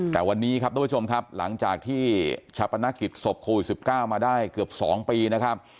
แต่วันนี้ครับท่านผู้ชมครับหลังจากที่ชาปนาคิดศพโควิดสิบเก้ามาได้เกือบสองปีนะครับ